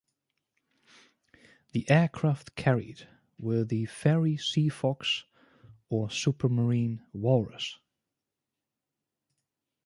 The aircraft carried were the Fairey Seafox or Supermarine Walrus.